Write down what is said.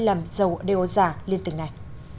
làm dầu đeo giả liên tình này